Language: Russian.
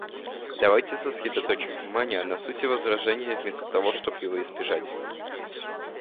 Давайте сосредоточим внимание на сути возражения вместо того, чтобы его избегать.